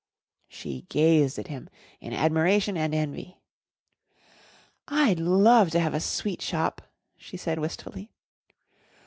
She gazed at him in admiration and envy. "I'd love to have a sweet shop," she said wistfully.